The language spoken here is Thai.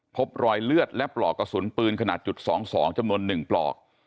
พบรอยเลือดและปลอกกระสุนปืนขนาดจุด๒๒จำนวน๑ปลอก